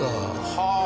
はあ！